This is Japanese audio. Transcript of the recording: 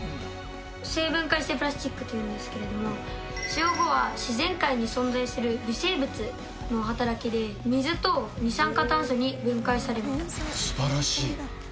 生分解性プラスチックっていうんですけれども、自然界に存在する微生物の働きで、水と二酸化すばらしい。